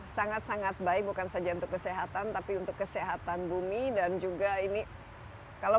sangat sangat baik bukan saja untuk kesehatan tapi untuk kesehatan bumi dan juga ini kalau